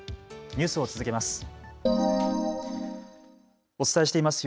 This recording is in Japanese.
ニュースを続けます。